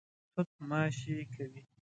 توت ماشې کوي.